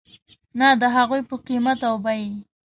نه د هغوی په قیمت او بیې .